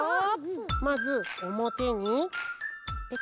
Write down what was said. まずおもてにペト。